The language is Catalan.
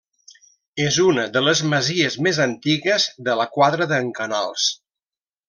És una de les masies més antigues de la Quadra d'en Canals.